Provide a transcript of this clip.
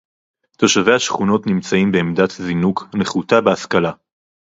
תושבי השכונות נמצאים בעמדת זינוק נחותה בהשכלה